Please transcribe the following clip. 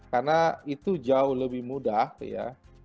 karena itu jauh lebih mudah ya